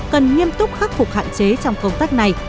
cần nghiêm túc khắc phục hạn chế trong công tác này